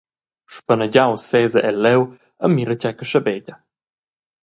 Spanegiaus sesa el leu e mira tgei che schabegia.